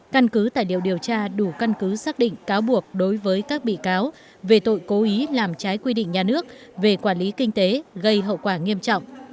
căn cứ tài liệu điều tra đủ căn cứ xác định cáo buộc đối với các bị cáo về tội cố ý làm trái quy định nhà nước về quản lý kinh tế gây hậu quả nghiêm trọng